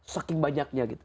saking banyaknya gitu